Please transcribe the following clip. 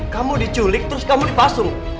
kamu diculik terus kamu dipasung